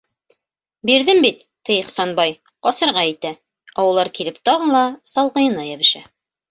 «Бирҙем бит!» - ти Ихсанбай, ҡасырға итә, ә улар килеп тағы ла салғыйына йәбешә...